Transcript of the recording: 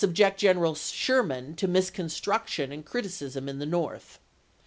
ject General Sherman to misconstruction and criti cism in the North.